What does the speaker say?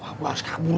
wah gue harus kabur nih